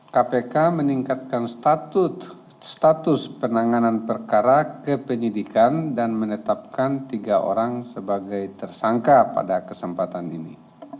kpk meningkatkan status penanganan perkara kepenyidikan dan menetapkan tiga orang sebagai tersangka pada kesempatan ini